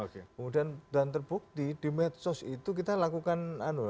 kemudian dan terbukti metsos itu kita lakukan patroli cyber